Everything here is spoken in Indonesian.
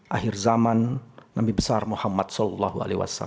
akhir zaman nabi besar muhammad saw